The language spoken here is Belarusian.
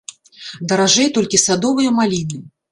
Даражэй толькі садовыя маліны.